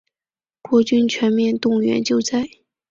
国军全面动员救灾